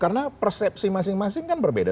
karena persepsi masing masing kan berbeda